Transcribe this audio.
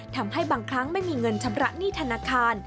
ทำให้บางครั้งไม่มีเงินชำระหนี้ธนาคาร